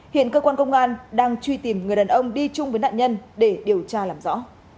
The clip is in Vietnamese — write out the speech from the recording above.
hiện cơ quan công an đang truy tìm người đàn ông đi chung với nạn nhân để điều tra làm rõ